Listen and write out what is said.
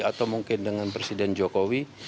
atau mungkin dengan presiden jokowi